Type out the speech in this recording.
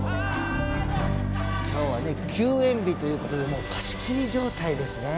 今日はね休園日ということでもう貸し切り状態ですね。